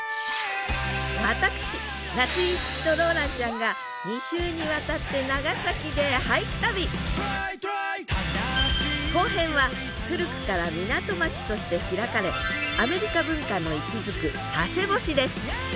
私夏井いつきとローランちゃんが２週にわたって後編は古くから港町として開かれアメリカ文化の息づく佐世保市です